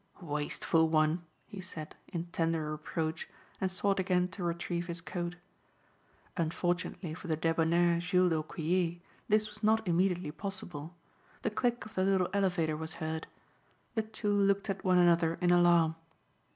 "Wasteful one," he said in tender reproach and sought again to retrieve his coat. Unfortunately for the debonair Jules d'Aucquier this was not immediately possible. The click of the little elevator was heard. The two looked at one another in alarm.